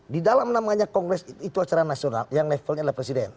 di dalam namanya kongres itu acara nasional yang levelnya adalah presiden